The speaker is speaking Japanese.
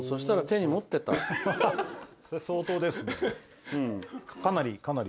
それ、相当ですね。